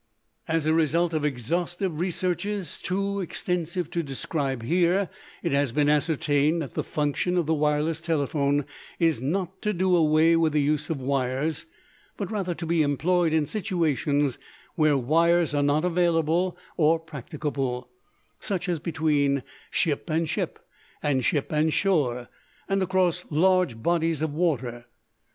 As a result of exhaustive researches, too extensive to describe here, it has been ascertained that the function of the wireless telephone is not to do away with the use of wires, but rather to be employed in situations where wires are not available or practicable, such as between ship and ship, and ship and shore, and across large bodies of water.